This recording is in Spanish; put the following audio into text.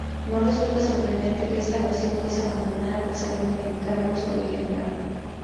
No resulta sorprendente que esta versión fuese abandonada tras haber modificado un solo ejemplar.